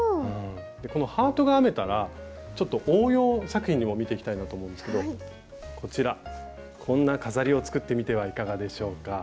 このハートが編めたらちょっと応用作品も見ていきたいなと思うんですけどこちらこんな飾りを作ってみてはいかがでしょうか。